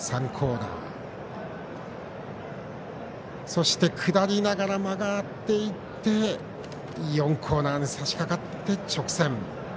そして、下りながら曲がっていって４コーナーにさしかかって直線。